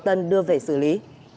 tân đưa về xử lý